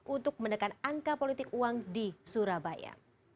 untuk menekan angka politik uang di surabaya